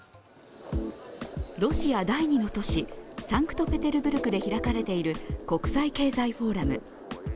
ロシア第二の都市、サンクトペテルブルクで開かれている国際経済フォーラム。